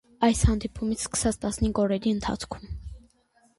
Այս հանդիպումից սկսած տասնհինգ օրերի ընթացքում։